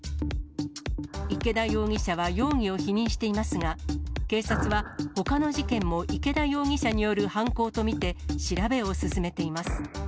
池田容疑者は容疑を否認していますが、警察は、ほかの事件も池田容疑者による犯行と見て、調べを進めています。